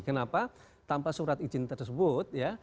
kenapa tanpa surat izin tersebut